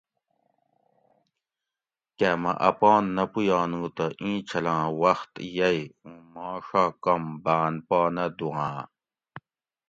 کہ مہ اپان نہ پویانو تہ اینچھلاں وۤخت یئی اوں ما ڛا کم باۤن پا نہ دُھوآں